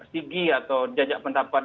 sigi atau jajak pendapat